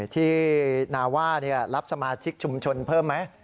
ที่นาว่ารับสมาชิกชุมชนเพิ่มไหม